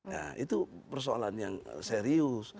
ya itu persoalan yang serius